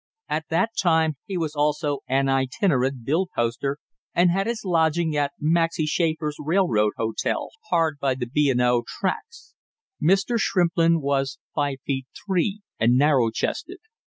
At that time he was also an itinerant bill poster and had his lodgings at Maxy Schaffer's Railroad Hotel hard by the B. & O. tracks. Mr. Shrimplin was five feet three, and narrow chested.